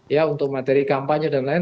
ya untuk materi kampanye dan lain